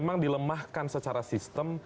memang dilemahkan secara sistem